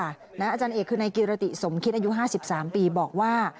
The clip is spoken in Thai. อาจารย์เอกคือนายกิรติสมคิดอายุ๕๓ปีบอกว่า